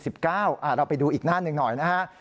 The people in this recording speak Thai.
เราไปดูอีกหน้านึงหน่อยนะครับ